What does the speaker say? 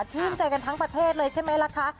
ชื่นใจกันทั้งประเทศเลยใช่ไหมล่ะคะ